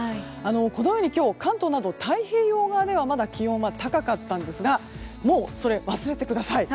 このように今日、関東など太平洋側ではまだ気温は高かったんですがもう、それは忘れてください。